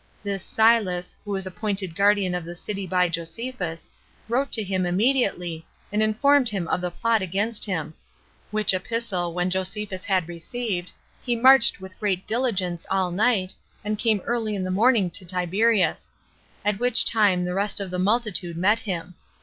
This Silas, who was appointed guardian of the city by Josephus, wrote to him immediately, and informed him of the plot against him; which epistle when Josephus had received, he marched with great diligence all night, and came early in the morning to Tiberias; at which time the rest of the multitude met him.